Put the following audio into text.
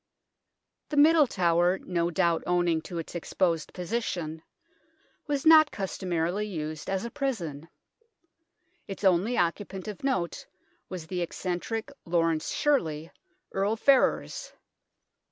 The Middle Tower, no doubt owing to its exposed position, was not customarily used as a prison. Its only occupant of note was the eccentric Laurence Shirley, Earl Ferrers.